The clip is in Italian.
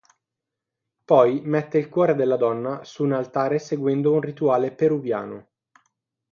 Poi mette il cuore della donna su un altare seguendo un rituale peruviano.